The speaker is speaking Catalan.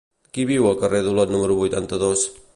Qui viu al carrer d'Olot número vuitanta-dos?